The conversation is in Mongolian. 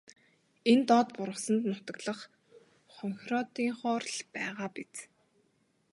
Энэ доод бургасанд нутаглах хонхироодынхоор л байгаа биз.